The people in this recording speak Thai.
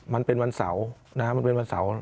มันเป็นวันเสาร์นะ